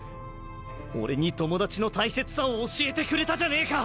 俺に友達の大切さを教えてくれたじゃねえか。